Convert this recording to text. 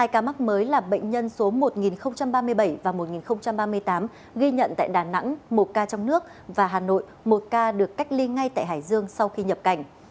hai ca mắc mới là bệnh nhân số một nghìn ba mươi bảy và một nghìn ba mươi tám ghi nhận tại đà nẵng một ca trong nước và hà nội một ca được cách ly ngay tại hải dương sau khi nhập cảnh